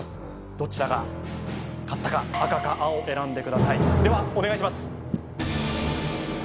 どちらが勝ったか赤か青選んでくださいではお願いします